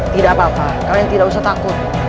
tidak apa apa kalian tidak usah takut